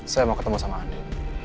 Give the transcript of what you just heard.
saya mau ketemu sama adik